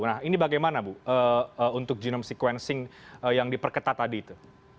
nah ini bagaimana bu untuk genome sequencing yang diperketat tadi itu